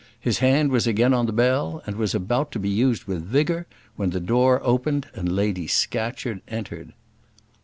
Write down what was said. His hand was again on the bell, and was about to be used with vigour, when the door opened and Lady Scatcherd entered.